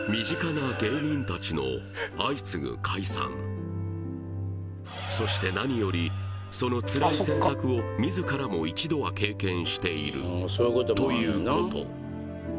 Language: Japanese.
そうそうそして何よりそのつらい選択を自らも一度は経験しているということ